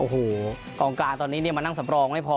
โอ้โหกองกลางตอนนี้มานั่งสำรองไม่พอ